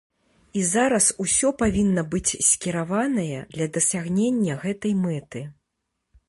І зараз усё павінна быць скіраванае для дасягнення гэтай мэты.